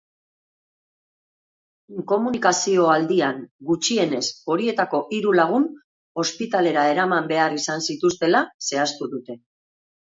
Inkomunikazio aldian gutxienez horietako hiru lagun ospitalera eraman behar izan zituztela zehaztu dute.